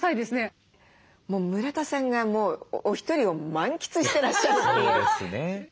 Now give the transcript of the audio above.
村田さんがもうお一人を満喫してらっしゃるっていう。